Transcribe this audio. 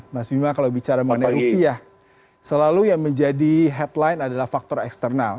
mas bima kalau bicara mengenai rupiah selalu yang menjadi headline adalah faktor eksternal